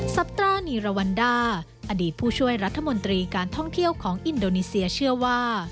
ซับตรานีราวันด้าอดีตผู้ช่วยรัฐมนตรีการท่องเที่ยวของอินโดนีเซียเชื่อว่า